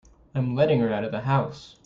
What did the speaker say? I'm letting her out of the house.